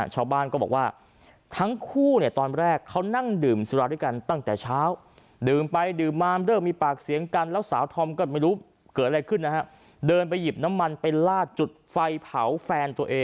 ชาวบ้านก็บอกว่าทั้งคู่เนี่ยตอนแรกเค้านั่งดื่มวันศึกษ์กันตั้งแต่เช้า